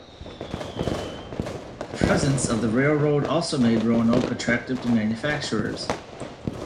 The presence of the railroad also made Roanoke attractive to manufacturers.